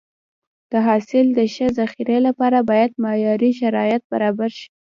د حاصل د ښه ذخیرې لپاره باید معیاري شرایط برابر شي.